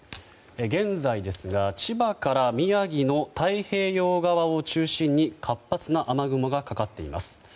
現在ですが千葉から宮城の太平洋側を中心に活発な雨雲がかかっています。